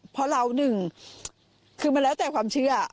เพราะเราหนึ่งคือมันแล้วแต่ความเชื่อ